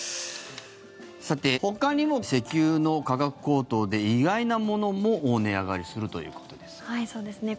ほかにも石油の価格高騰で意外なものも値上がりするということです。